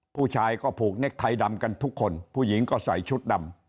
ผู้ชายก็ผูกเน็กไทยดำกันทุกคนผู้หญิงก็ใส่ชุดดำ